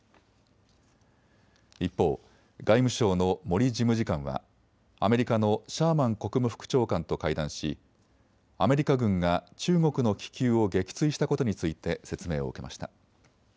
一方、外務省の森事務次官はアメリカのシャーマン国務副長官と会談しアメリカ軍が中国の気球を撃墜したことについて説明を受けました。